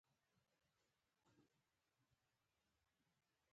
عجيبه ده، چې تر شا ورپسي ځي شپي